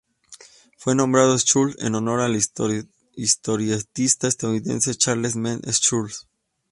Fue nombrado Schulz en honor al historietista estadounidense Charles M. Schulz.